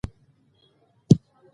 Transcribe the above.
د قمرۍ هڅه ډېره په زړه پورې ده.